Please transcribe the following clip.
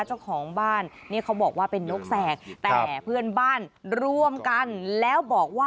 เจ้าของบ้านเขาบอกว่าเป็นนกแสก